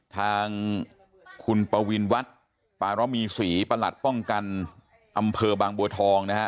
ทางคุณปวินวัฒน์ปารมีศรีประหลัดป้องกันอำเภอบางบัวทองนะฮะ